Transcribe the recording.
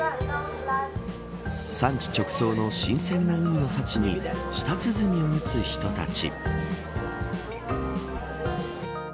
産地直送の新鮮な海の幸に舌鼓を打つ人たち。